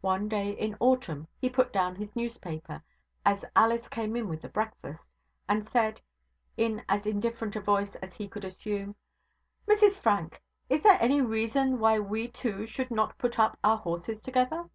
One day in autumn, he put down his newspaper, as Alice came in with the breakfast, and said, in as indifferent a voice as he could assume: 'Mrs Frank, is there any reason why we two should not put up our horses together?'